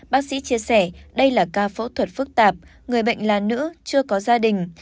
bác sĩ chia sẻ đây là ca phẫu thuật phức tạp người bệnh là nữ chưa có gia đình